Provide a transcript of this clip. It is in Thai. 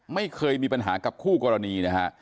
ไม่เคยมีปัญหากับคู่กรณีนะฮะ